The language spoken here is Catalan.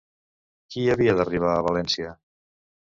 Qui havia d'arribar a València?